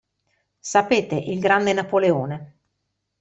Sapete il grande Napoleone.